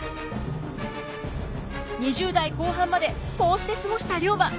２０代後半までこうして過ごした龍馬。